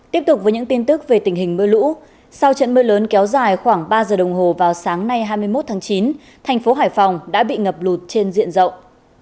tiếp tục với những tin tức về tình hình mưa lũ sau trận mưa lớn kéo dài khoảng ba giờ đồng hồ vào sáng nay hai mươi một tháng chín thành phố hải phòng đã bị ngập lụt trên diện rộng